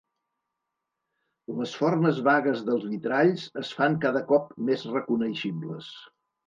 Les formes vagues dels vitralls es fan cada cop més reconeixibles.